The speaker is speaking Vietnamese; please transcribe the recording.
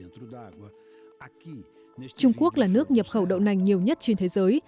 trung quốc là nước nhập khẩu đậu nành nhiều nhất trên thế giới